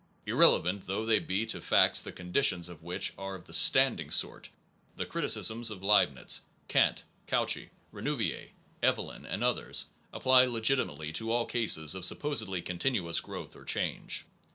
Irrelevant though they be to facts the conditions of which are of the standing sort, the criticisms of Leibnitz, Kant, Cauchy, Renouvier, Evellin and others, apply legiti mately to all cases of supposedly continuous growth or change.